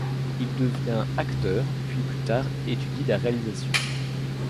Il devient acteur puis plus tard étudie la réalisation.